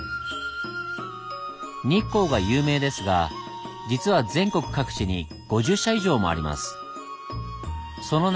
日光が有名ですが実は全国各地に５０社以上もあります。